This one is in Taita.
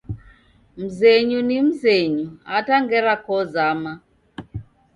Mzenyu ni mzenyu, hata ngera kozama